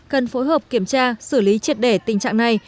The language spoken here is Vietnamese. cần phối hợp kiểm tra xử lý triệt để tình trạng này